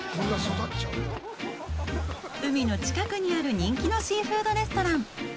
海の近くにある人気のシーフードレストラン。